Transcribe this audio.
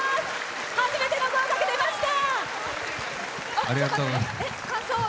初めての合格出ました！